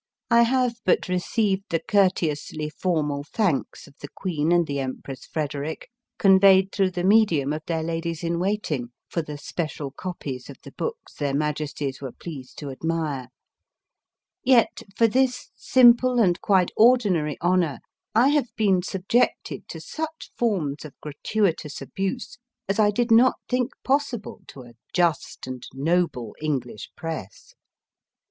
I have but received the courteously formal thanks of the Queen and the Empress Frederick, conveyed through the medium of their ladies in MARIE CORELLI 213 waiting, for the special copies of the books their Majesties were pleased to admire ; yet for this simple and quite ordinary honour I have been subjected to such forms of gratuitous abuse as I did not think possible to a just and noble English Press.